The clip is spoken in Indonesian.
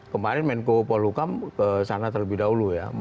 kemarin menko polhukam ke sana terlebih dahulu ya